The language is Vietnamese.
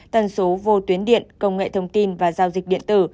tần số vô tuyến điện công nghệ thông tin và giao dịch điện tử